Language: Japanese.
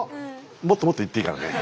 もっともっと言っていいからね。